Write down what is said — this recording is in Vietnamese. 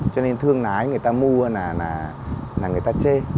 cho nên thương lái người ta mua là người ta chê